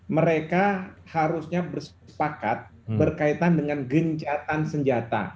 mereka harusnya bersepakat berkaitan dengan gencatan senjata